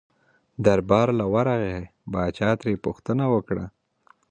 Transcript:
دربار له ورغی پاچا ترې پوښتنه وکړله.